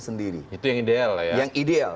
sendiri itu yang ideal yang ideal